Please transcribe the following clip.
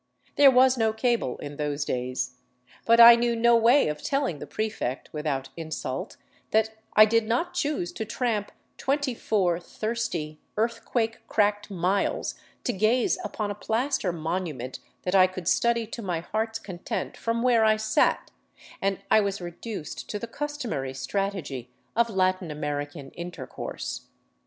There was no cable in those days. But I knew no way of telling the prefect, without insult, that I did not choose to tramp twenty four thirsty, earthquake cracked miles to gaze upon a plaster monument that I could study to my heart's content from where I sat, and I was re duced to the customary strategy of Latin American intercourse.